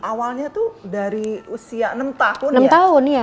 awalnya tuh dari usia enam tahun ya